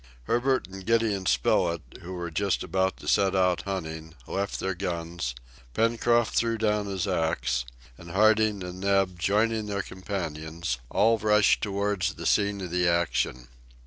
Herbert and Gideon Spilett, who were just about to set out hunting, left their guns, Pencroft threw down his ax, and Harding and Neb joining their companions, all rushed towards the scene of action.